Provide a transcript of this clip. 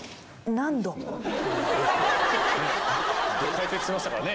・解説してましたからね。